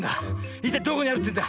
いったいどこにあるってんだ？